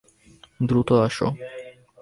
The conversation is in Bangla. দ্রুত আসো।